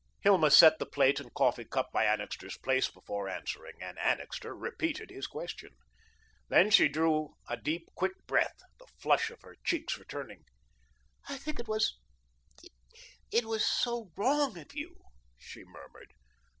Hilma set the plate and coffee cup by Annixter's place before answering, and Annixter repeated his question. Then she drew a deep, quick breath, the flush in her cheeks returning. "I think it was it was so wrong of you," she murmured.